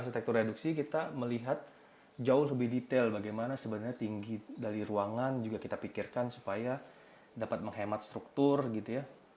sektor reduksi kita melihat jauh lebih detail bagaimana sebenarnya tinggi dari ruangan juga kita pikirkan supaya dapat menghemat struktur gitu ya